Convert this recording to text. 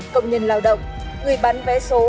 cộng nhân lao động người bán vé số